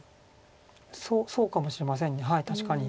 そうかもしれません確かに。